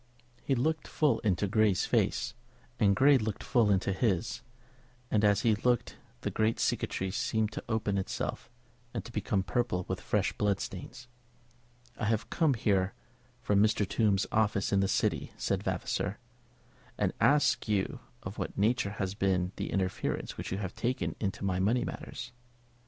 He looked full into Grey's face, and Grey looked full into his; and as he looked the great cicatrice seemed to open itself and to become purple with fresh blood stains. "I have come here from Mr. Tombe's office in the City," said Vavasor, "to ask you of what nature has been the interference which you have taken in my money matters?"